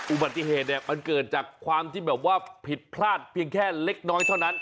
อุบัติเหตุเนี่ยมันเกิดจากความที่แบบว่าผิดพลาดเพียงแค่เล็กน้อยเท่านั้น